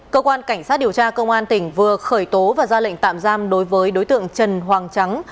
cơ quan cảnh sát điều tra công an tỉnh vừa khởi tố và ra lệnh tạm giam đối với đối tượng trần hoàng trắng